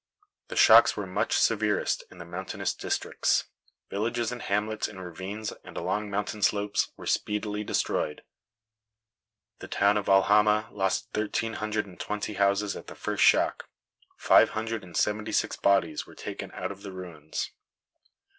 The shocks were much severest in the mountainous districts. Villages and hamlets in ravines and along mountain slopes were speedily destroyed. The town of Alhama lost thirteen hundred and twenty houses at the first shock. Five hundred and seventy six bodies were taken out of the ruins.